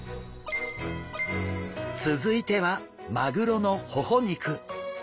続いてはマグロのほほ肉。